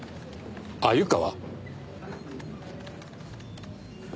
鮎川？